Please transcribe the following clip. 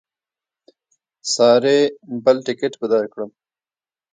ساري بل ټکټ به درکړم.